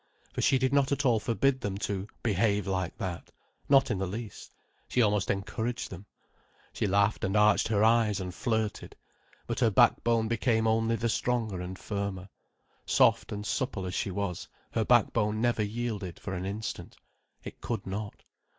For she did not at all forbid them to "behave like that." Not in the least. She almost encouraged them. She laughed and arched her eyes and flirted. But her backbone became only the stronger and firmer. Soft and supple as she was, her backbone never yielded for an instant. It could not.